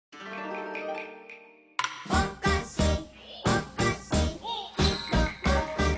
「おかしおかしいとをかし」